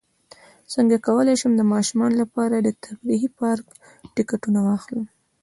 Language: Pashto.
څنګه کولی شم د ماشومانو لپاره د تفریحي پارک ټکټونه واخلم